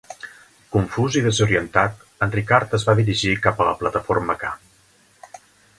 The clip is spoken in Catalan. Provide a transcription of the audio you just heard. Confús i desorientat, en Ricard es va dirigir cap a la plataforma K.